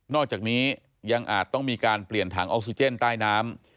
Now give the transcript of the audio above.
อกจากนี้ยังอาจต้องมีการเปลี่ยนถังออกซิเจนใต้น้ำ